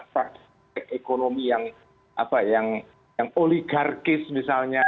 praktek ekonomi yang oligarkis misalnya